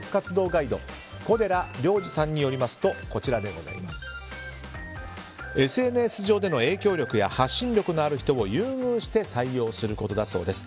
ガイド小寺良二さんによるとＳＮＳ上での影響力や発信力のある人を優遇して採用することだそうです。